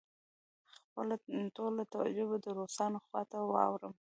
خپله ټوله توجه به د روسانو خواته واړوم.